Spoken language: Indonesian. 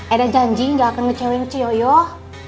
eda janji ga akan ngecewin coyoyoh